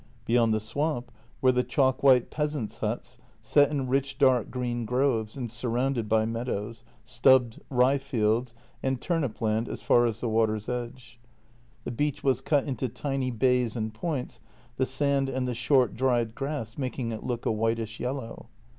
Beyond the swamp were the chalk white peasants' huts set in rich dark green groves and surrounded by meadows, stubbed rye fields, and turnip land as far as the wafer's edge. The beach was cut into tiny bays and points, the sand and the short dried grass making it look a whitish yellow.